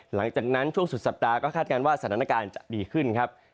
หลังจากนั้นช่วงสุดสัปดาห์ก็คาดการณ์ว่าสถานการณ์จะดีขึ้นครับ